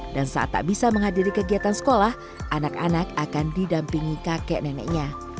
dan saat tak bisa menghadiri kegiatan sekolah anak anak akan didampingi kakek neneknya